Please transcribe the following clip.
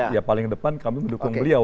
ya paling depan kami mendukung beliau